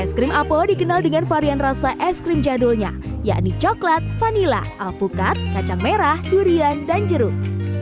es krim apo dikenal dengan varian rasa es krim jadulnya yakni coklat vanila alpukat kacang merah durian dan jeruk